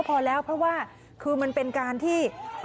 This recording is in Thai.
เพราะว่าคือมันเป็นการที่